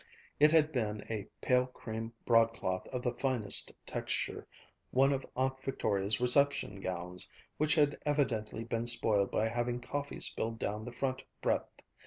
It had been a pale cream broadcloth of the finest texture, one of Aunt Victoria's reception gowns, which had evidently been spoiled by having coffee spilled down the front breadth.